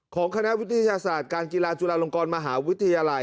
คณะวิทยาศาสตร์การกีฬาจุฬาลงกรมหาวิทยาลัย